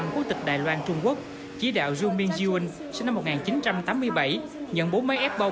quốc tịch đài loan trung quốc chỉ đạo xu ming ziun sinh năm một nghìn chín trăm tám mươi bảy nhận bố máy ép bao